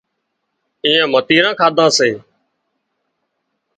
ايئانئي متيران ڪاڌان سي